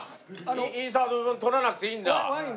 インサート撮らなくていいんだ。